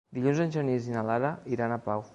Dilluns en Genís i na Lara iran a Pau.